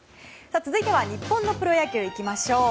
続いては日本のプロ野球いきましょう。